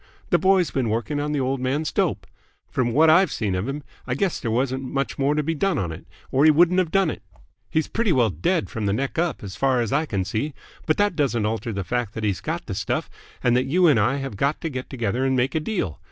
The boy's been working on the old man's dope. From what I've seen of him, I guess there wasn't much more to be done on it, or he wouldn't have done it. He's pretty well dead from the neck up, as far as I can see. But that doesn't alter the fact that he's got the stuff and that you and I have got to get together and make a deal.